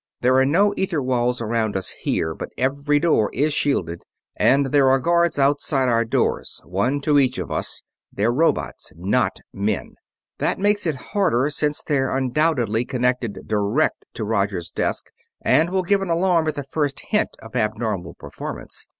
There are no ether walls around us here, but every door is shielded, and there are guards outside our doors one to each of us. They're robots, not men. That makes it harder, since they're undoubtedly connected direct to Roger's desk and will give an alarm at the first hint of abnormal performance.